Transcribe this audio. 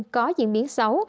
có diễn biến xấu